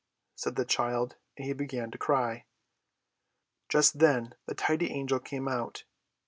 said the child; and he began to cry. Just then the Tidy Angel came out.